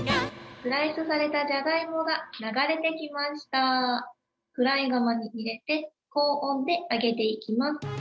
フライ釜に入れて、高温で揚げていきます。